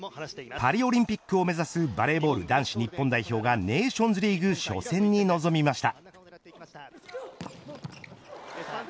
パリオリンピックを目指すバレーボール男子日本代表がネーションズリーグ初戦に臨みました。